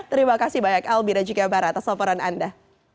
terima kasih banyak albi dan juga barat atas laporan anda